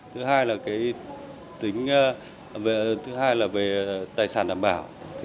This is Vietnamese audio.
thứ hai là về tài sản đảm bảo